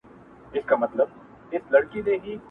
o اوړه يو مټ نه لري، تنور ئې پر بام جوړ کړی دئ.